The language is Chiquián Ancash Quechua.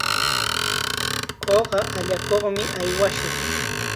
Uqa allakuqmi aywashun.